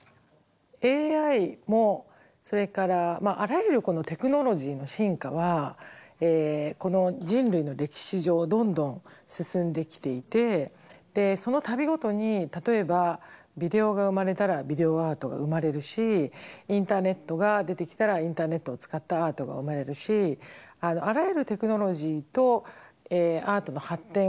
ＡＩもそれからあらゆるテクノロジーの進化はこの人類の歴史上どんどん進んできていてその度ごとに例えばビデオが生まれたらビデオアートが生まれるしインターネットが出てきたらインターネットを使ったアートが生まれるしあらゆるテクノロジーとアートの発展は共にあるんですね。